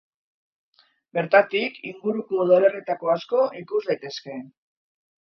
Bertatik inguruko udalerrietako asko ikus daitezke.